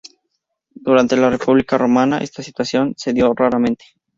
Durante la República romana esta situación se dio raramente.